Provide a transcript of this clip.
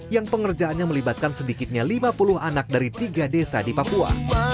yang pengerjaannya melibatkan sedikitnya lima puluh anak dari tiga desa di papua